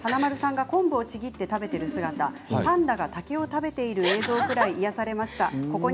昆布をちぎって食べている姿パンダが竹を食べている映像くらい癒やされました。